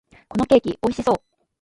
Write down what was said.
このケーキ、美味しそう！